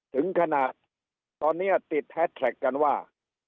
ถึงขนาดตอนนี้ติดแฮสแท็กกันว่า